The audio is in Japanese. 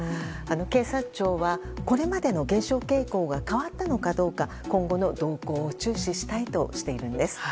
警察庁は、これまでの減少傾向が変わったのかどうか今後の動向を注視したいとしているんです。